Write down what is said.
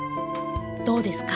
どうですか？